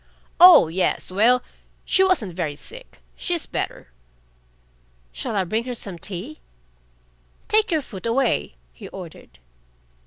"Oh, yes! Well, she wasn't very sick. She's better." "Shall I bring her some tea?" "Take your foot away!" he ordered.